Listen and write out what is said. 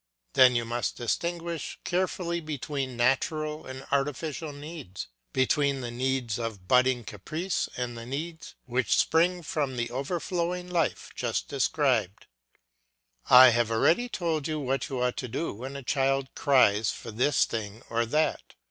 Then you must distinguish carefully between natural and artificial needs, between the needs of budding caprice and the needs which spring from the overflowing life just described. I have already told you what you ought to do when a child cries for this thing or that.